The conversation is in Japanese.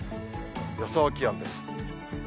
予想気温です。